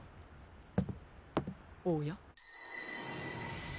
おや？